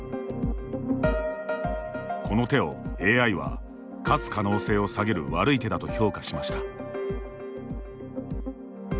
この手をＡＩは、勝つ可能性を下げる悪い手だと評価しました。